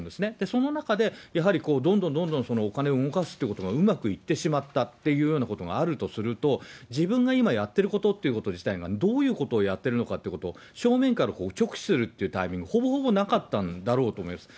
その中で、やはりどんどんどんどんお金を動かすということがうまくいってしまったっていうようなことがあるとすると、自分が今やってることっていうこと自体が、どういうことをやってるのかということを、正面から直視するっていうタイミング、ほぼほぼなかったんだろうと思います。